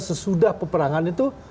sesudah peperangan itu